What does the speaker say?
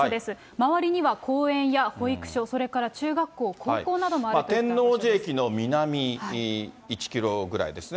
周りには公園や保育所、それから中学校、天王寺駅の南１キロぐらいですね。